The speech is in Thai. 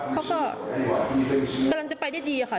กำลังจะไปได้ดีค่ะัน